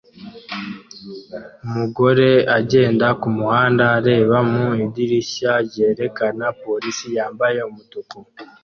Umugore agenda kumuhanda areba mu idirishya ryerekana police yambaye umutuku